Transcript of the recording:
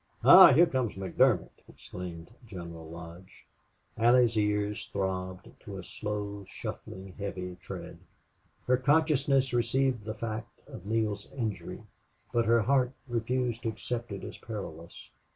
"Ah! here comes McDermott!" exclaimed General Lodge. Allie's ears throbbed to a slow, shuffling, heavy tread. Her consciousness received the fact of Neale's injury, but her heart refused to accept it as perilous.